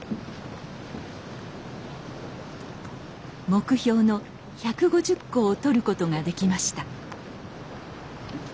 目標の１５０個を採ることができました。